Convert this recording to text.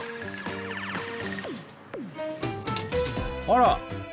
あら！